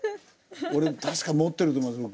俺確か持ってると思うんです。